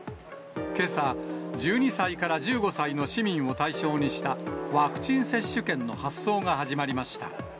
けさ、１２歳から１５歳の市民を対象にしたワクチン接種券の発送が始まりました。